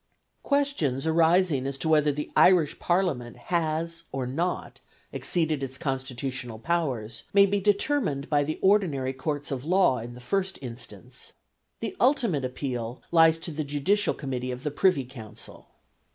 Questions arising as to whether the Irish Parliament has or not exceeded its constitutional powers may be determined by the ordinary courts of law in the first instance; the ultimate appeal lies to the Judicial Committee of the Privy Council.